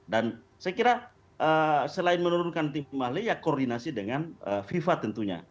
dan saya kira selain menurunkan tim ahli ya koordinasi dengan fifa tentunya